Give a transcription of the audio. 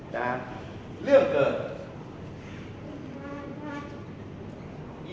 นะเรื่องเกิด